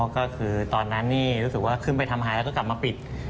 ก็คือตอนนั้นนี่รู้สึกว่าขึ้นไปทำไฮแล้วก็กลับมาปิด